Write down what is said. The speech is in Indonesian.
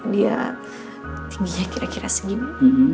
dia tingginya kira kira segini